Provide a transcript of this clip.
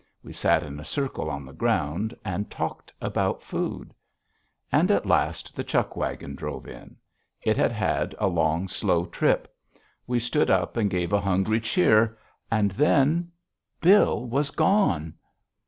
We sat in a circle on the ground and talked about food. And, at last, the chuck wagon drove in. It had had a long, slow trip. We stood up and gave a hungry cheer, and then _Bill was gone!